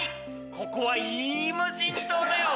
ここはいい無人島だよ。